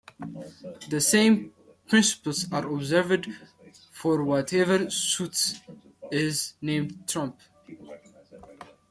The same principles are observed for whatever suit is named trump.